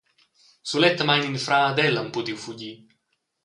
Sulettamein in frar ed ella han pudiu fugir.